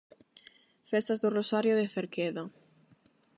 Festas do Rosario de Cerqueda.